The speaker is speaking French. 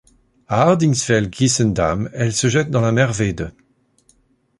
À Hardinxveld-Giessendam elle se jette dans la Merwede.